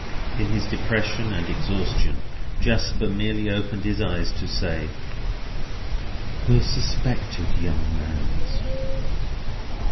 In his depression and exhaustion, Jasper merely opened his eyes to say: "The suspected young man's."